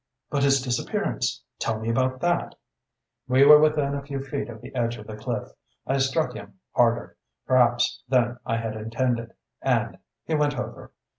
"But his disappearance tell me about that?" "We were within a few feet of the edge of the cliff. I struck him harder, Perhaps, than I had intended, and he went over.